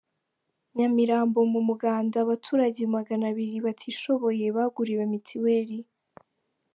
Nyamirambo Mu muganda, abaturage maganabiri batishoboye baguriwe Mitiweli